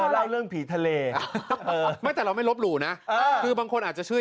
เล่าเรื่องผีทะเล